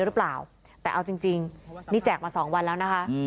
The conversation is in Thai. รึเปล่าแต่เอาจริ่งจริงนี่แจกมาสองวันแล้วนะคะ